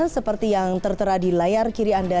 seperti yang tertera di layar kiri anda